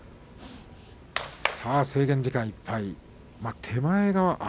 制限時間いっぱい。